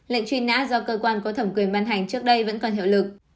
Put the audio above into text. lệnh truy nã do cơ quan có thẩm quyền ban hành trước đây vẫn còn hiệu lực